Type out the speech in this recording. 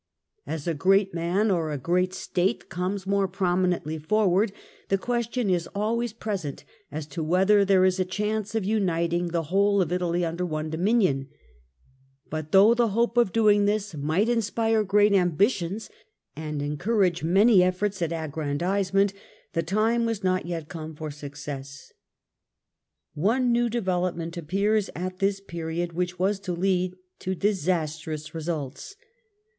As a great man or a great State comes more pro minently forward, the question is always present as to whether there is a chance of uniting the whole of Italy into one dominion ; but though the hope of doing this might inspire great ambitions and encourage many efforts at aggrandisement, the time was not yet come for success. One new development appears at this period, which was to lead to disastrous results.